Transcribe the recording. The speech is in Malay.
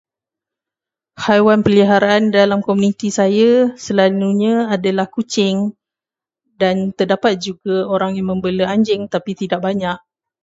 Haiwan peliharaan dalam komuniti saya selalunya adalah kucing dan terdapat juga orang yang membela anjing, tetapi tidak banyak.